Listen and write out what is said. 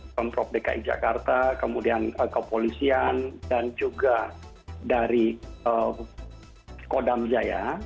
pemprov dki jakarta kemudian kepolisian dan juga dari kodam jaya